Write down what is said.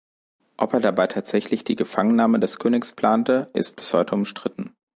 Ob er dabei tatsächlich die Gefangennahme des Königs plante, ist bis heute umstritten.